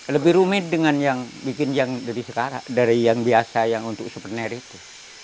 lebih rumit dengan yang bikin yang dari sekarang dari yang biasa yang untuk souvenir itu